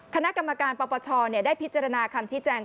คณะกรรมการประปัชชอฯได้พิจารณาคำที่แจ้ง